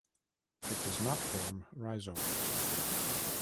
It does not form rhizomes.